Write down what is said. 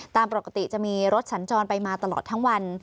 ตามปกติจะมีรถสัญจรไปมาตลอดทั้งวัน